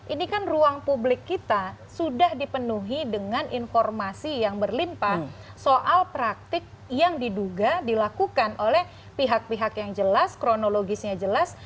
ini kan ruang publik kita sudah dipenuhi dengan informasi yang berlimpah soal praktik yang diduga dilakukan oleh pihak pihak yang jelas kronologisnya jelas